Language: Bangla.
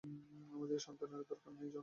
আমাদের এই সন্তানের দরকার নাই, জন।